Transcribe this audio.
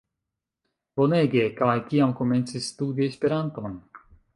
Bonege! kaj kiam komencis studi Esperanton?